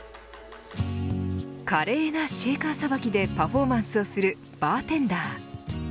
華麗なシェーカーさばきでパフォーマンスをするバーテンダー。